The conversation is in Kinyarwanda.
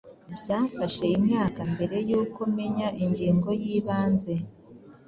Byamfashe imyaka mbere y’uko menya ingingo y’ibanze